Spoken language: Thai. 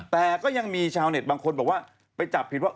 แต่ก็ยังมีชาวเน็ตบางคนบอกว่าไปจับผิดว่า